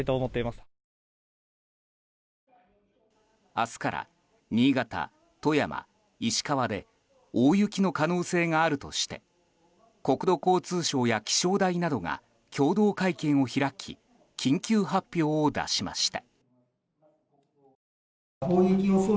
明日から新潟、富山、石川で大雪の可能性があるとして国土交通省や気象台などが共同会見を開き緊急発表を出しました。